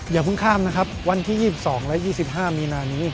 อย่าเพิ่งข้ามนะครับวันที่๒๒และ๒๕มีนานี้